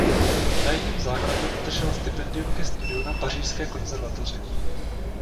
Na jejím základě obdržel stipendium ke studiu na pařížské konzervatoři.